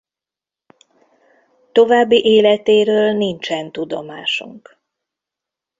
További életéről nincsen tudomásunk.